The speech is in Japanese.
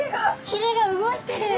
ヒレが動いてる。